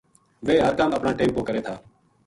ویہ ہر کَم اپنا ٹیم پو کرے تھا